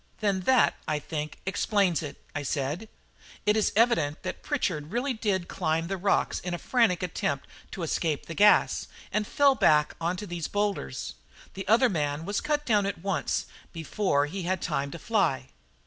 "Then that, I think, explains it," I said. "It is evident that Pritchard really did climb the rocks in a frantic attempt to escape from the gas and fell back on to these boulders. The other man was cut down at once, before he had time to fly."